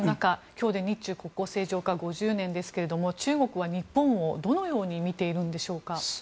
今日で日中国交正常化５０年ですが中国は日本をどのように見ているのでしょうか。